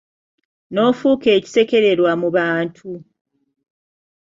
N'ofuuka ekisekererwa mu bantu.